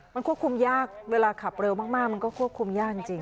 มันควบคุมยากเวลาขับเร็วมากมันก็ควบคุมยากจริง